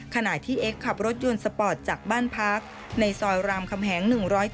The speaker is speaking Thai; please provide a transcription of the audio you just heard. ขณะที่เอ็กซ์ขับรถยนต์สปอร์ตจากบ้านพักในซอยรามคำแหง๑๐๗